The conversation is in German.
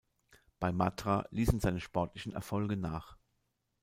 Bei Matra ließen seine sportlichen Erfolge nach.